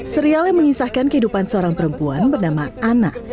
serial yang mengisahkan kehidupan seorang perempuan bernama ana